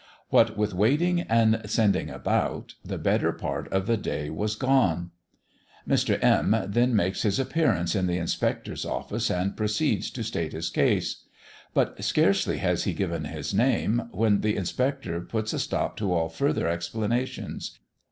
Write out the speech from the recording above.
What with waiting and sending about, the better part of the day was gone. Mr. M then makes his appearance in the inspector's office, and proceeds to state his case. But scarcely has he given his name, when the inspector puts a stop to all further explanations.